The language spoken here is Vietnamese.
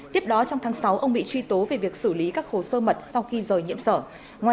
tiếp đó trong tháng sáu ông bị truy tố về việc xử lý các khổ sơ mật sau khi rời nhiễm sở